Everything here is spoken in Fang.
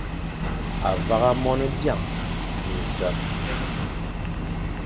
À vagha mon byañ, minsekh.